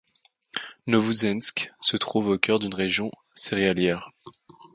Novoouzensk se trouve au cœur d'une région céréalière.